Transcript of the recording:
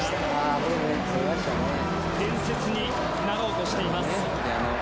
伝説になろうとしています。